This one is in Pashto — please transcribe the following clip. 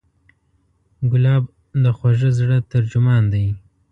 ګلاب د خوږه زړه ترجمان دی.